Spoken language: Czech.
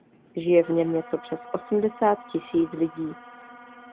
Žije v něm něco přes osmdesát tisíc lidí.